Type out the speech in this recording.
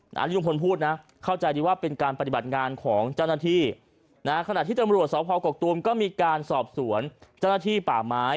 อันนี้ลุงพลพูดนะเข้าใจดีว่าเป็นการปฏิบัติงานของเจ้าหน้าที่นะขณะที่ตำรวจสพกกตูมก็มีการสอบสวนเจ้าหน้าที่ป่าไม้